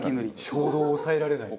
衝動を抑えられない。